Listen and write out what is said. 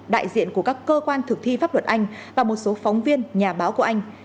đại diện của các cơ quan thực thi pháp luật anh và một số phóng viên nhà báo của anh